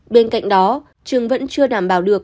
bên cạnh đó trường vẫn chưa đảm bảo được